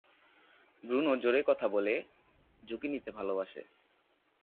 Bruno জোরে কথা বলে, ঝুঁকি নিতে ভালোবাসে।